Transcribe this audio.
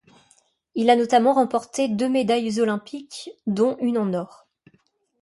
Il a notamment remporté deux médailles olympiques dont une en or.